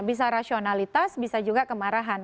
bisa rasionalitas bisa juga kemarahan